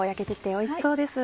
おいしそうですね